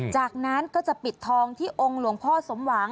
จากนั้นก็จะปิดทองที่องค์หลวงพ่อสมหวัง